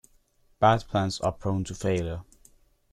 Bad plans are prone to failure.